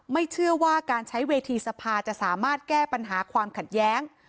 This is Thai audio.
เชื่อว่าการใช้เวทีสภาจะสามารถแก้ปัญหาความขัดแย้ง